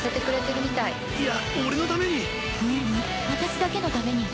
ううん私だけのために。